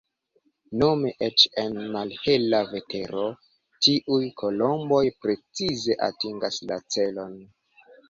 Nome eĉ en malhela vetero tiuj kolomboj precize atingas la celon.